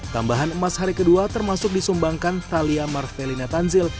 tambahan emas hari kedua termasuk disumbangkan thalia marvelina tanzil